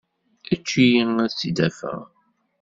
Eǧǧ-iyi ad tt-id-afeɣ.